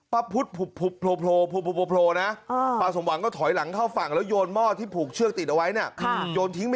ป้าพุธผุบนะป้าสมหวังก็ถอยหลังเข้าฝั่ง